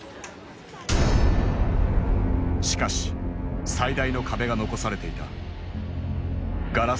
しかし最大の壁が残されていた。